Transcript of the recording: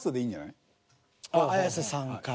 綾瀬さんから。